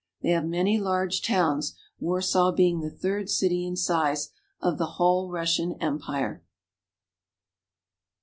They have many large towns, Warsaw being the third city in size of the whole Russian Empire.